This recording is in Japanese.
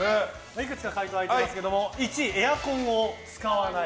いくつか回答が開いていますが１位、エアコンを使わない。